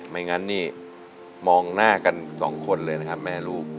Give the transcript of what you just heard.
ไม่งั้นนี่มองหน้ากันสองคนเลยนะครับแม่ลูก